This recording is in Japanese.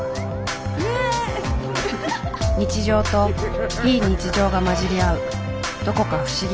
日常と非日常が混じり合うどこか不思議な空間。